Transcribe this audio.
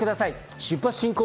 出発進行！